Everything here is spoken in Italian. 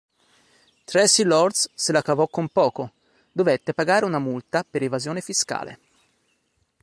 Traci Lords se la cavò con poco: dovette pagare una multa per evasione fiscale.